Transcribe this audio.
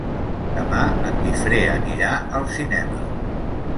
Demà en Guifré anirà al cinema.